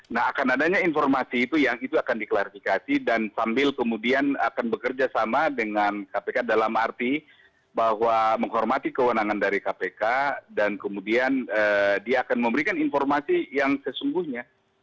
nah akan adanya informasi itu yang itu akan diklarifikasi dan sambil kemudian akan bekerja sama dengan kpk dalam arti bahwa menghormati kewenangan dari kpk dan kemudian dia akan memberikan informasi yang sesungguhnya